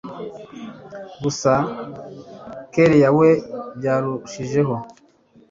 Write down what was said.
gusa kellia we byarushijeho